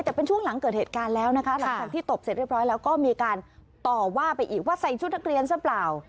แต่เป็นช่วงหลังเกิดเหตุการณ์แล้วนะคะหลังจากที่ตบเสร็จเรียบร้อยแล้วก็มีการต่อว่าไปอีกว่าใส่ชุดนักเรียนซะเปล่า